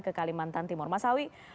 ke kalimantan timur masawi